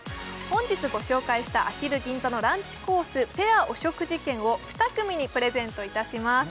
本日ご紹介したアヒル銀座のランチコースペアお食事券を２組にプレゼントいたします